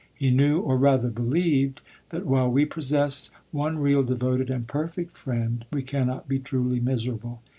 lie knew, or rather believed, that while we possess one real, devoted, and perfect friend, we cannot be truly miserable.